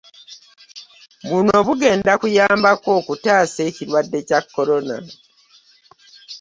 Buno bugenda kuyambako okutaasa ekirwadde kya Corona.